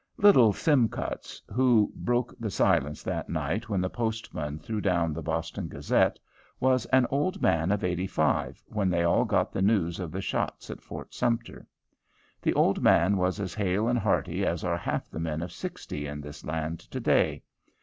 Little Sim Cutts, who broke the silence that night when the post man threw down the "Boston Gazette," was an old man of eighty five when they all got the news of the shots at Fort Sumter. The old man was as hale and hearty as are half the men of sixty in this land to day.